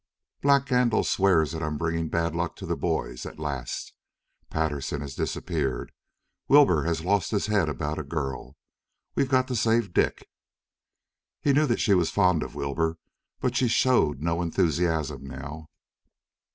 "Black Gandil swears that I'm bringing bad luck to the boys at last. Patterson has disappeared; Wilbur has lost his head about a girl. We've got to save Dick." He knew that she was fond of Wilbur, but she showed no enthusiasm now.